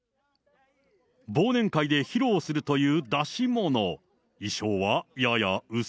忘年会で披露するという出し物。